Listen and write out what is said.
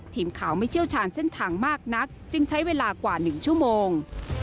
ทีมข่าวไม่เชี่ยวชาญเส้นทางมากนักจึงใช้เวลากว่า๑ชั่วโมง